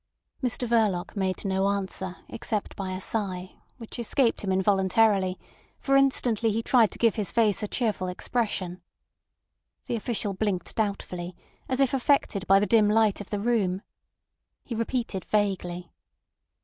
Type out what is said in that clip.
Mr Verloc made no answer except by a sigh, which escaped him involuntarily, for instantly he tried to give his face a cheerful expression. The official blinked doubtfully, as if affected by the dim light of the room. He repeated vaguely.